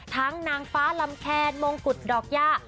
นางฟ้าลำแคนมงกุฎดอกย่า